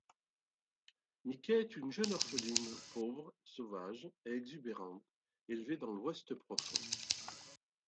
Mickey est une jeune orpheline, pauvre, sauvage et exubérante, élevée dans l'ouest profond.